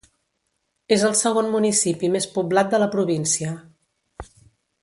És el segon municipi més poblat de la província.